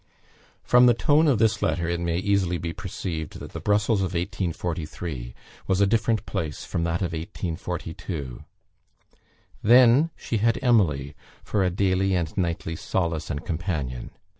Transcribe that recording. From the tone of this letter, it may easily be perceived that the Brussels of 1843 was a different place from that of 1842. Then she had Emily for a daily and nightly solace and companion.